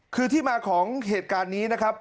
คือที่มาของเหตุการณ์นี้นะครับ